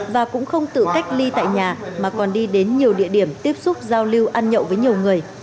và cũng không tự cách ly tại nhà mà còn đi đến nhiều địa điểm tiếp xúc giao lưu ăn nhậu với nhiều người